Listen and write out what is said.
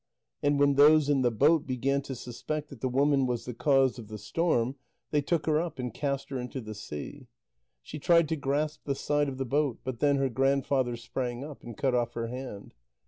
And when those in the boat began to suspect that the woman was the cause of the storm, they took her up and cast her into the sea. She tried to grasp the side of the boat, but then her grandfather sprang up and cut off her hand.